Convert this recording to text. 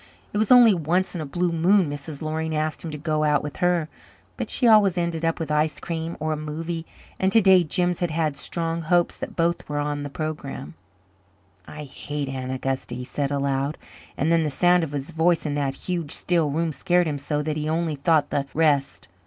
It was only once in a blue moon Mrs. Loring asked him to go out with her. But she always ended up with ice cream or a movie, and to day Jims had had strong hopes that both were on the programme. "I hate Aunt Augusta," he said aloud; and then the sound of his voice in that huge, still room scared him so that he only thought the rest.